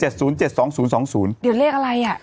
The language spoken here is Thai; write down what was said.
เดี๋ยวเลขอะไรอ่ะ